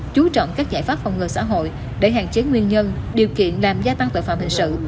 chú trọng các giải pháp phòng ngừa xã hội để hạn chế nguyên nhân điều kiện làm gia tăng tội phạm hình sự